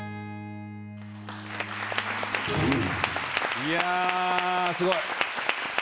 いやすごい！